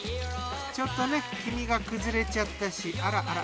ちょっとね黄身が崩れちゃったしあらあら。